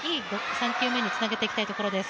３球目につなげていきたいところです。